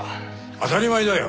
当たり前だよ！